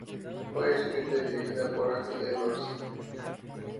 Fue escrita y dirigida por A. J. Edwards.